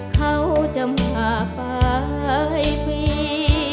เขาจะมาไปบี